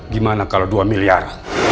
gimana kalau dua miliar